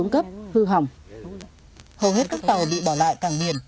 hầu hết các tàu bị bỏ lại càng miền